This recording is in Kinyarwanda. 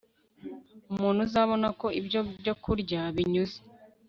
Umuntu azabona ko ibyo byokurya binyuze